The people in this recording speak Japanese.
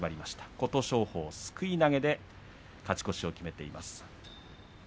琴勝峰、すくい投げで勝ち越しを決めています。